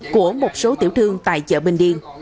của một số tiểu thương tại chợ bình điên